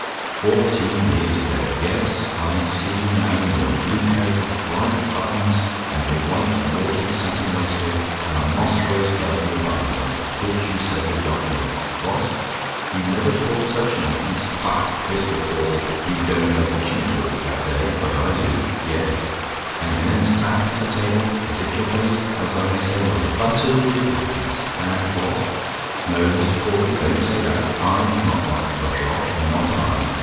Fourteen years ago! Yes, I see you now, in your blue coat with bright buttons, and your white watered satin waistcoat, and a moss rose bud in your button hole, which you said was like me. What? "YOU NEVER TALKED SUCH NONSENSE? "Ha! Mr. Caudle, you don't know what you talked that day but I do. Yes; and you then sat at the table as if your face, as I may say, was buttered with happiness, and What? No, Mr. Caudle, don't say that; I have not wiped the butter off not I.